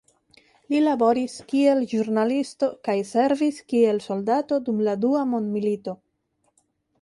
Li laboris kiel ĵurnalisto kaj servis kiel soldato dum la Dua mondmilito.